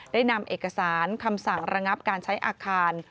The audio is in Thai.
ได้นำเอกสารคำสั่งระงับการใช้อาคาร